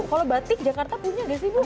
kalau batik jakarta punya gak sih bu